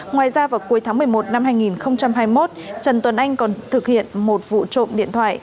ngoài ra vào cuối tháng một mươi một năm hai nghìn hai mươi một trần tuấn anh còn thực hiện một vụ trộm điện thoại